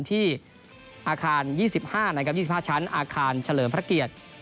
ที่อาคาร๒๕นะครับ๒๕ชั้นอาคารเฉลิมพระเกียรติ